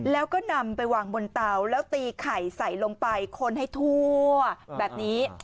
แล้วก็นำไปวางบนเตาแล้วตีไข่ใส่ลงไปคนให้ทั่วแบบนี้